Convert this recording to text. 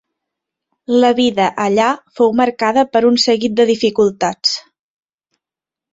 La vida allà fou marcada per un seguit de dificultats.